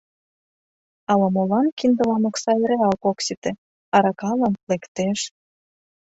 Ала-молан киндылан окса эреак ок сите, аракалан — лектеш.